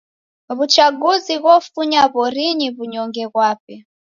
W'uchaguzi ghofunya w'orinyi w'unyonge ghwape.